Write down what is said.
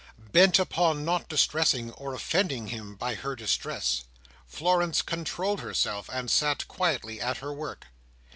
Bent upon not distressing or offending him by her distress, Florence controlled herself, and sat quietly at her work.